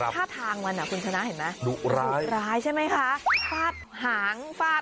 ไปดูค่ะ